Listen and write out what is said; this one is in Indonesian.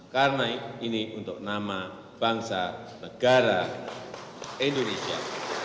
karena ini untuk nama bangsa negara indonesia